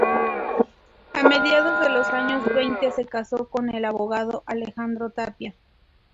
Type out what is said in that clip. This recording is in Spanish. A mediados de los años veinte se casó con el abogado Alejandro Tapia.